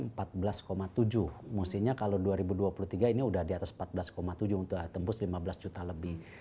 maksudnya kalau dua ribu dua puluh tiga ini sudah di atas empat belas tujuh untuk tembus lima belas juta lebih